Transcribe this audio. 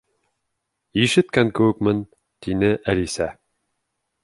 —Ишеткән кеүекмен, —тине Әлисә.